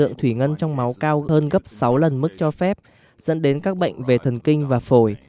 cuân trực kỷ ởjdh mại dẫn đến các bệnh gấp sáu lần mức cho phép dẫn đến các bệnh về thần kinh và phổi